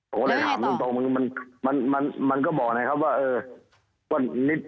ผมก็เลยถามตรงมันก็บอกนะครับว่าเออนิด